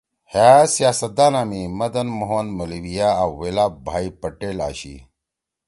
ہأ سیاستدانا می مدَن موہن ملیویا (Madan Mohan Malaviya) آں ولَاب بھائی پٹیل (Vallabhbhai Patel) آشی